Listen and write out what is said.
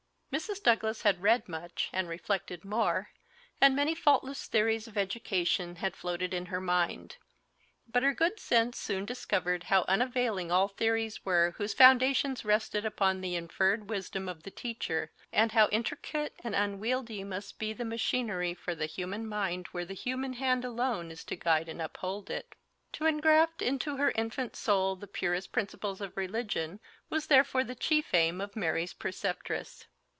Mrs. Douglas had read much, and reflected more, and many faultless theories of education had floated in her mind. But her good sense soon discovered how unavailing all theories were whose foundations rested upon the inferred wisdom of the teacher, and how intricate and unwieldy must be the machinery for the human mind where the human hand alone is to guide and uphold it. To engraft into her infant soul the purest principles of religion was therefore the chief aim of Mary's preceptress.